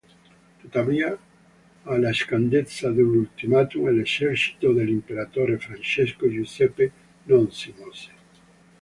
Tuttavia, alla scadenza dell’ultimatum, l'esercito dell’imperatore Francesco Giuseppe non si mosse.